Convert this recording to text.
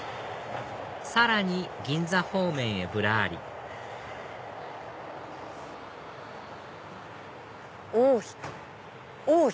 さらに銀座方面へぶらり「王妃」。